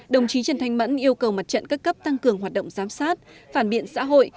đồng chí trần thanh mẫn yêu cầu mặt trận các cấp tăng cường hoạt động giám sát phản biện xã hội